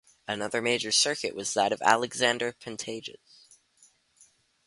Another major circuit was that of Alexander Pantages.